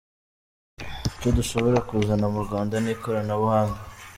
Icyo dushobora kuzana mu Rwanda ni ikoranabuhanga.